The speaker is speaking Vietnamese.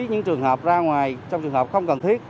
những trường hợp ra ngoài trong trường hợp không cần thiết